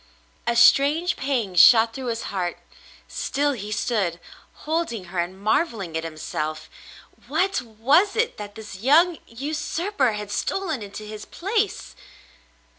A strange pang shot through his heart. Still he stood, holding her and marvelling at himself. What ! Was it that this young usurper had stolen into his place